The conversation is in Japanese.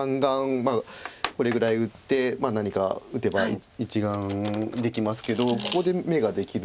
まあこれぐらい打って何か打てば１眼できますけどここで眼ができるのかどうか。